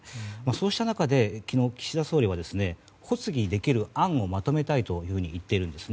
そうした中、昨日岸田総理は発議できる案をまとめたいと言っているんです。